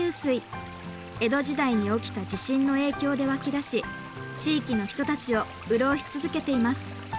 江戸時代に起きた地震の影響で湧き出し地域の人たちを潤し続けています。